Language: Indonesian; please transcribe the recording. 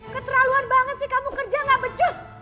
keteraluan banget sih kamu kerja nggak becus